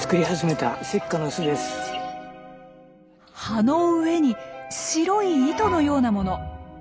葉の上に白い糸のようなもの。